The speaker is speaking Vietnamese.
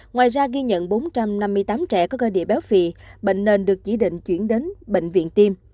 ngoài ra ghi nhận bốn trăm năm mươi tám trẻ có cơ địa béo phì bệnh nền được chỉ định chuyển đến bệnh viện tim